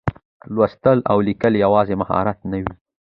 لوستل او لیکل یوازې مهارت نه و.